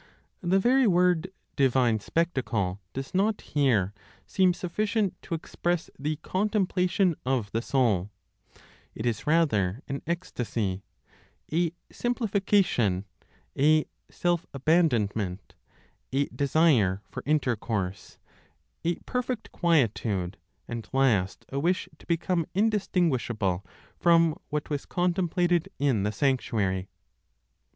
The very word "divine spectacle" does not, here, seem sufficient (to express the contemplation of the soul); it is rather an ecstasy, a simplification, a self abandonment, a desire for intercourse, a perfect quietude, and last, a wish to become indistinguishable from what was contemplated in the sanctuary.